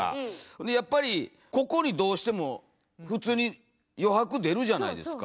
でやっぱりここにどうしても普通に余白出るじゃないですか。